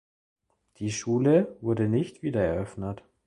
Die Schule wurde nicht wiedereröffnet.